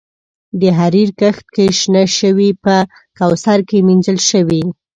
د حریر کښت کې شنه شوي په کوثر کې مینځل شوي